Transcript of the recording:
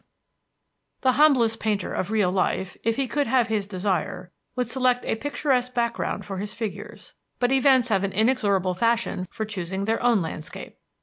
V The humblest painter of real life, if he could have his desire, would select a picturesque background for his figures; but events have an inexorable fashion for choosing their own landscape.